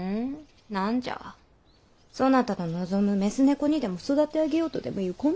何じゃそなたの望む雌猫にでも育て上げようとでもいう魂胆か？